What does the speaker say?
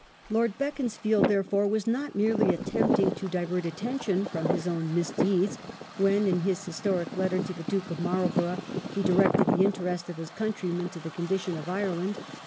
Lord Beaconsfield, therefore, was not merely attempting to General divert attention from his own misdeeds when, in his historic letter ^io*^*'°" °^. i88o to the Duke of Marlborough, he directed the interest of his country men to the condition of Ireland.